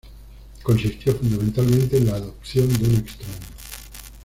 Consistió fundamentalmente en la adopción de un extraño.